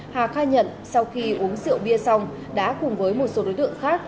hà khai nhận sau khi uống rượu bia xong đã cùng với một số đối tượng khác